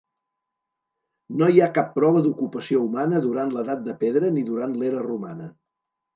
No hi ha cap prova d'ocupació humana durant l'Edat de Pedra ni durant l'era romana.